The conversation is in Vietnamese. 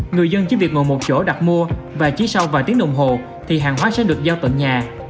người dân chỉ việc ngồi một chỗ đặt mua và chỉ sau vài tiếng đồng hồ thì hàng hóa sẽ được giao tận nhà